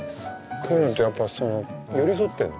こういうのってやっぱその寄り添ってんの？